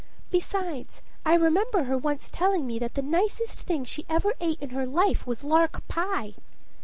Besides, I remember her once telling me that the nicest thing she ever ate in her life was lark pie!"